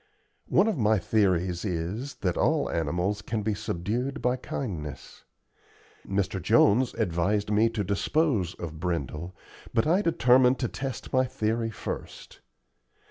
One of my theories is, that all animals can be subdued by kindness. Mr. Jones advised me to dispose of Brindle, but I determined to test my theory first.